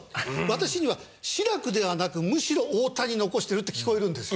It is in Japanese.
私には志らくではなくむしろ太田に残してるって聞こえるんですよ。